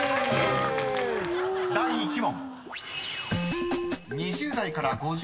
［第１問］